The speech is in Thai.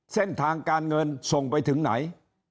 เส้นทางการเงินส่งไปถึงไหน